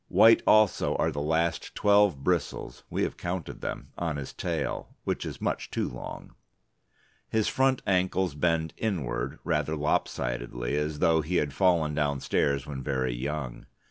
White also are the last twelve bristles (we have counted them) on his tail (which is much too long). His front ankles bend inward rather lopsidedly, as though he had fallen downstairs when very young.